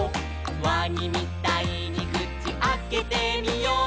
「わにみたいにくちあけてみよう」